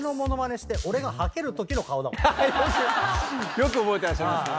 よく覚えてらっしゃいますね。